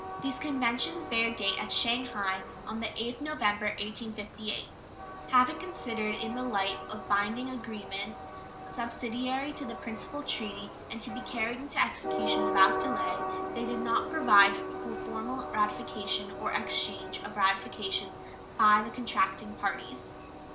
These conventions bear date at Shanghai on the 8th November, 1858. Having been considered in the light of binding agreements subsidiary to the principal treaty, and to be carried into execution without delay, they do not provide for any formal ratification or exchange of ratifications by the contracting parties.